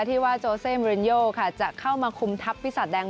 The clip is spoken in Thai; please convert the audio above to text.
ที่ว่าโจเซมรินโยค่ะจะเข้ามาคุมทัพพิศาจแดง